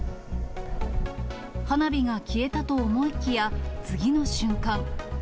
花火が消えたと思いきや、次の瞬間。